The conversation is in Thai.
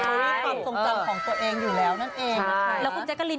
ต่อไปมีภาพทรงจำของตัวเองอยู่แล้ว